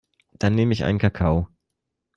Dann nehm ich einen Kakao.